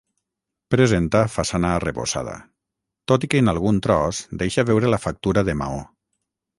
Presenta façana arrebossada, tot i que en algun tros deixa veure la factura de maó.